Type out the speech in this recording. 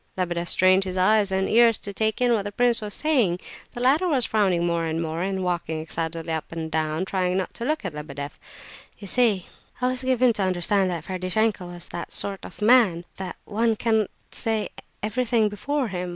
Lebedeff strained his eyes and ears to take in what the prince was saying. The latter was frowning more and more, and walking excitedly up and down, trying not to look at Lebedeff. "You see," he said, "I was given to understand that Ferdishenko was that sort of man,—that one can't say everything before him.